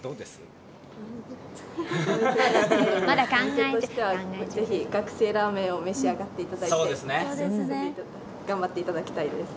お店としては、是非、学生ラーメンを召し上がっていただいて頑張っていただきたいです。